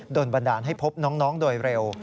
บันดาลให้พบน้องโดยเร็ว